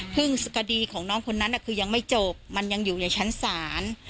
คดีของน้องคนนั้นคือยังไม่จบมันยังอยู่ในชั้นศาล